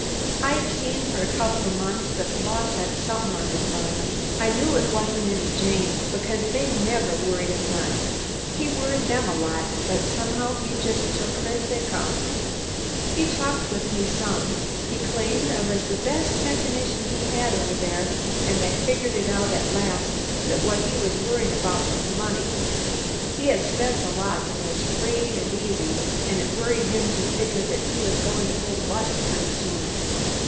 I'd seen, for a couple of months, that the boss had somethin' on his mind. I knew it wasn't any jane, because they never worried him none. He worried them a lot, but somehow he just took 'em as they come. He talked with me some he claimed I was the best mechanician he had over there, and I figured it out at last that what he was worryin' about was money. He spent a lot, an' was free an' easy, an' it worried him to figure that he was goin' to go bu'st pretty soon.